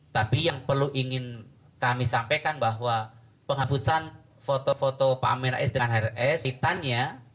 tapi yang perlu ingin kami sampaikan bahwa penghapusan foto foto pak amin rais dengan hitannya